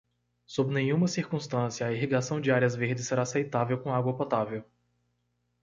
Sob nenhuma circunstância a irrigação de áreas verdes será aceitável com água potável.